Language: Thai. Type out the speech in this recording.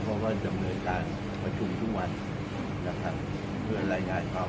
เพราะว่าจะเหนื่อยตามประชุมทุกวันและทำเผื่อรายงานเขา